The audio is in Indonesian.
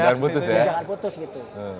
jangan putus gitu